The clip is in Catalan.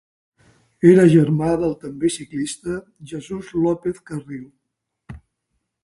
Era germà del també ciclista Jesús López Carril.